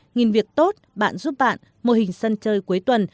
nhìn việc tốt bạn giúp bạn mô hình sân chơi cuối tuần